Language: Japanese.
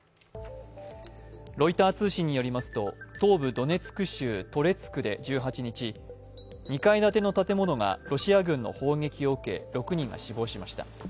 ロイター通信によりますと、東部ドネツク州トレツクで１８日、２階建ての建物がロシア軍の砲撃を受け６人が死亡しました。